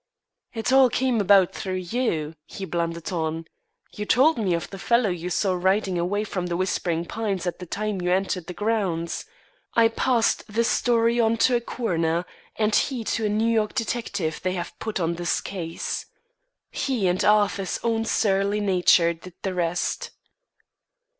"It all came about through you," he blundered on. "You told me of the fellow you saw riding away from The Whispering Pines at the time you entered the grounds. I passed the story on to the coroner, and he to a New York detective they have put on this case. He and Arthur's own surly nature did the rest."